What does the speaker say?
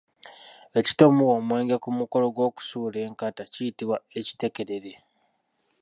Ekita omuba omwenge ku mukolo gw'okusuula enkata kiyitibwa Ekitekerere.